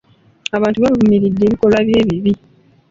Abantu baavumiridde ebikolwa bye ebibi.